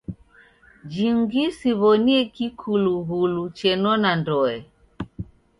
Jingi siw'onie kikulughulu chenona ndoe.